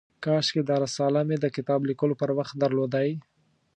کاشکي دا رساله مې د کتاب لیکلو پر وخت درلودای.